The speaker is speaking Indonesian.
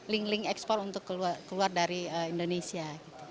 link link ekspor untuk keluar dari indonesia